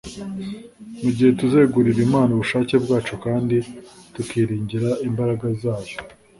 Mu gihe tuzegurira Imana ubushake bwacu kandi tukiringira imbaraga zayo